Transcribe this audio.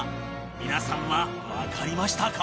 皆さんはわかりましたか？